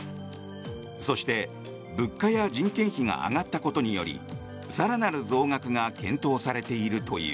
そして、物価や人件費が上がったことにより更なる増額が検討されているという。